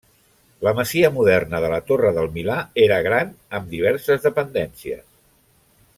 La masia moderna de la torre del Milà era gran, amb diverses dependències.